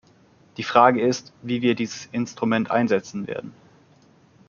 Die Frage ist, wie wir dieses Instrument einsetzen werden.